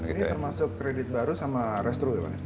ini termasuk kredit baru sama restru ya pak